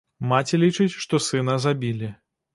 Маці лічыць, што сына забілі.